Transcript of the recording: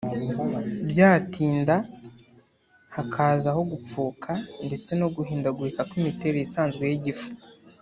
byatinda hakazaho gupfuka ndetse no guhindagurika kw’imiterere isanzwe y’igifu